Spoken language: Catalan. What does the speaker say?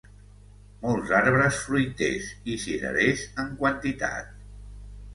Molts arbres fruiters, i cirerers en quantitat.